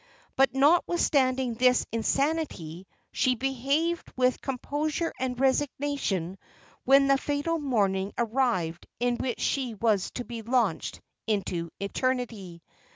But notwithstanding this insanity, she behaved with composure and resignation when the fatal morning arrived in which she was to be launched into eternity.